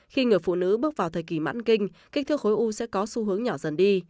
khi người phụ nữ bước vào thời kỳ mãn kinh kích thước khối u sẽ có xu hướng nhỏ dần đi